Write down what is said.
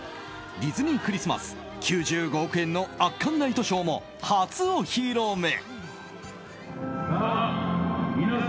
ディズニー・クリスマス９５億円の圧巻ナイトショーも初お披露目。